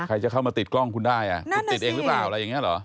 ใครจะเข้ามาติดกล้องคุณได้ติดเองหรือเปล่าอะไรอย่างนี้เหรอ